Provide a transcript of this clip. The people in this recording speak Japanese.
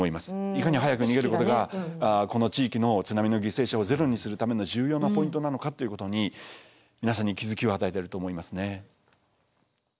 いかに早く逃げることがこの地域の津波の犠牲者をゼロにするための重要なポイントなのかっていうことに皆さんに気付きを与えてると思いますね。